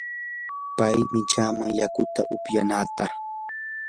pay michaaman yakuta upyanaata.